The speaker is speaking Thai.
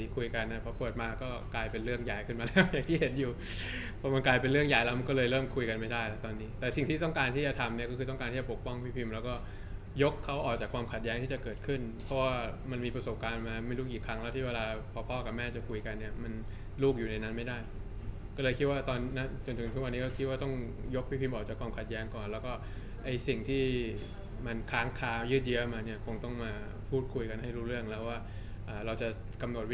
คุยกันนะพอพวดมาก็กลายเป็นเรื่องใหญ่ขึ้นมาแล้วอย่างที่เห็นอยู่พอมันกลายเป็นเรื่องใหญ่แล้วมันก็เลยเริ่มคุยกันไม่ได้แล้วตอนนี้แต่สิ่งที่ต้องการที่จะทำเนี้ยก็คือต้องการที่จะปกป้องพี่พิมแล้วก็ยกเขาออกจากความขัดแย้งที่จะเกิดขึ้นเพราะว่ามันมีประสบการณ์มาไม่รู้กี่ครั้งแล้วที่เวลาพ่อพ่อกับแม่